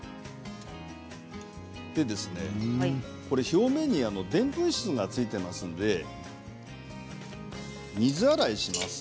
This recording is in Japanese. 表面にでんぷん質がついていますので水洗いをします。